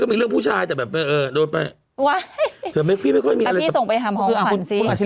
ของฉันเป็นอย่างปกติ